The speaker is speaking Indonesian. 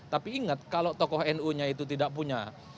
tapi ingat kalau tokoh nu nya itu tidak punya